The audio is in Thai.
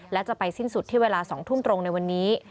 และจะไปสิ้นสุดที่เวลา๒ทุ่มตรงในวันนี้